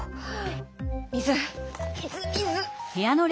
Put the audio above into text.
水水水！